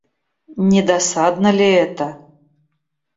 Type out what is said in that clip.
Не досадно ли это?